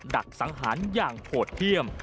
ดักสังหารอย่างโหดเยี่ยม